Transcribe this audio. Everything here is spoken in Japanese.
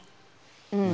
うん。